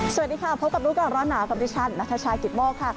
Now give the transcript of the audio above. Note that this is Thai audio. สวัสดีค่ะพบกับรู้ก่อนร้อนหนาวกับดิฉันนัทชายกิตโมกค่ะ